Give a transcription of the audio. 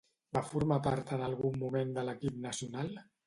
Va formar part en algun moment de l'equip nacional?